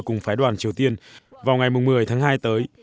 cùng phái đoàn triều tiên vào ngày một mươi tháng hai tới